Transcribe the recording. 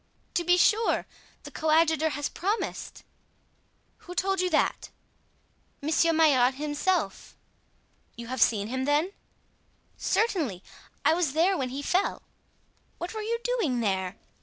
"To be sure; the coadjutor has promised." "Who told you that?" "Monsieur Maillard himself." "You have seen him, then?" "Certainly; I was there when he fell." "What were you doing there?"